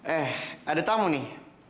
eh ada tamu nih